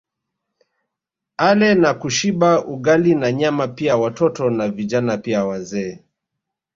Ale na kushiba Ugali na Nyama pia watoto na Vijana pia wazee